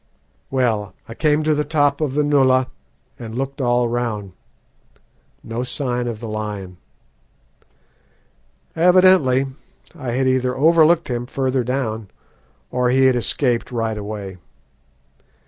Well, I came to the top of the nullah and looked all round. No signs of the lion. Evidently I had either overlooked him further down or he had escaped right away.